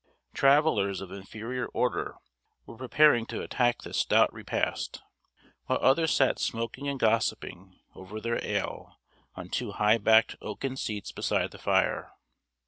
Travellers of inferior order were preparing to attack this stout repast, while others sat smoking and gossiping over their ale on two high backed oaken seats beside the fire.